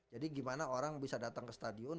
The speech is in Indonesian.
jadi gimana orang bisa datang ke stadion